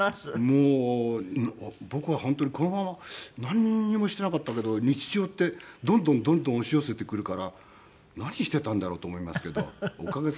もう僕は本当にこのままなんにもしていなかったけど日常ってどんどんどんどん押し寄せてくるから何していたんだろうと思いますけどおかげさまで。